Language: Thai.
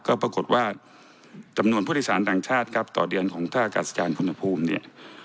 ก็ปรากฏว่าจำนวนผู้โดยสารต่างชาติครับต่อเดือนของท่ากาศยานคุณภูมิเนี่ย